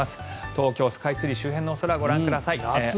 東京スカイツリー周辺の空をご覧ください。